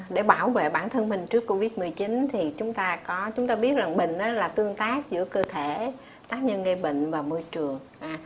để bảo vệ bản thân mình trước covid một mươi chín thì chúng ta biết là bệnh là tương tác giữa cơ thể tác nhân gây bệnh và môi trường